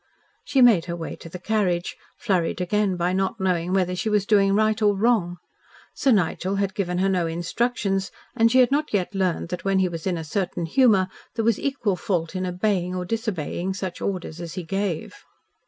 She made her way to the carriage, flurried again by not knowing whether she was doing right or wrong. Sir Nigel had given her no instructions and she had not yet learned that when he was in a certain humour there was equal fault in obeying or disobeying such orders as he gave.